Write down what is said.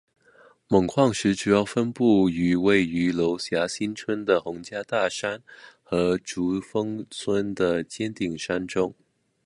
锰矿石主要分布于位于娄霞新村的洪家大山和竹峰村的尖顶山中。